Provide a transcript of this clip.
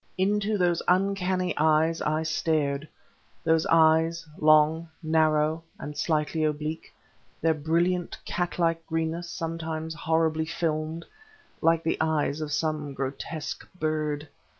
Into those uncanny eyes I stared, those eyes, long, narrow, and slightly oblique, their brilliant, catlike greenness sometimes horribly filmed, like the eyes of some grotesque bird....